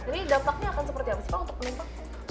jadi dampaknya akan seperti apa sih pak untuk penumpang